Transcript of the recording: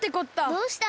どうしたの？